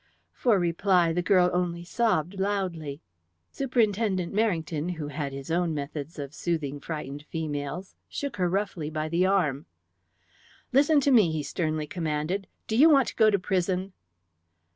For reply, the girl only sobbed loudly. Superintendent Merrington, who had his own methods of soothing frightened females, shook her roughly by the arm. "Listen to me," he sternly commanded. "Do you want to go to prison?"